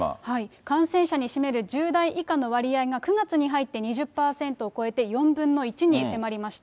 感染者に占める１０代以下の割合が９月に入って２０％を超えて４分の１に迫りました。